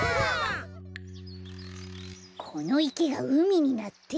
このいけがうみになって。